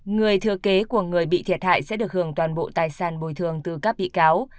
người thừa kế của người bị thiệt hại sẽ được hưởng toàn bộ tài sản bồi thường từ các bị cáo